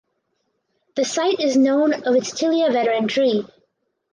The site is known of its tilia veteran tree.